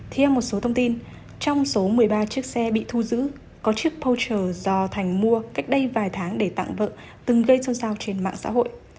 theo một số thông tin trong số một mươi ba chiếc xe bị thu giữ có chiếc poucher do thành mua cách đây vài tháng để tặng vợ từng gây xôn xao trên mạng xã hội